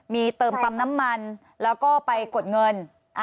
มีเติมปั๊มน้ำมันแล้วก็ไปกดเงิน